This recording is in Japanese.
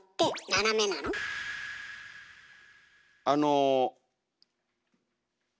あの。